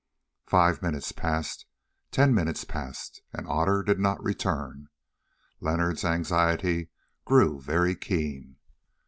Five minutes passed—ten minutes passed, and Otter did not return. Leonard's anxiety grew very keen.